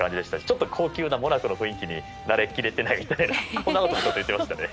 ちょっと高級なモナコの雰囲気に慣れ切れていないみたいなそんなようなことを言っていましたね。